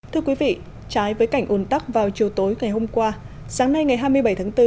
thưa quý vị trái với cảnh ồn tắc vào chiều tối ngày hôm qua sáng nay ngày hai mươi bảy tháng bốn